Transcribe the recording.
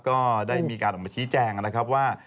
ก็ได้มีการออกมาชี้แจงนะครับว่า